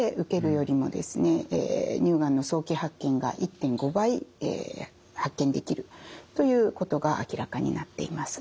乳がんの早期発見が１．５倍発見できるということが明らかになっています。